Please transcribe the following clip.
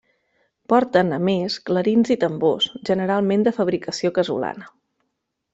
Porten, a més, clarins i tambors, generalment de fabricació casolana.